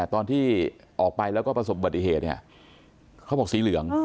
ตอนที่ออกไปแล้วก็ประสบบัติเหตุเนี่ยเขาบอกสีเหลือง